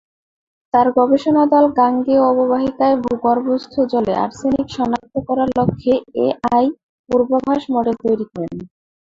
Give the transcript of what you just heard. তার গবেষণা দল গাঙ্গেয় অববাহিকায় ভূগর্ভস্থ জলে আর্সেনিক সনাক্ত করার লক্ষ্যে এআই পূর্বাভাস মডেল তৈরি করেন।